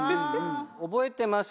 覚えてます？